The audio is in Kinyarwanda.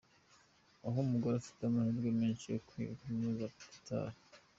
Aho umugore afite amahirwe menshi yo kwiga Kaminuza : Qatar.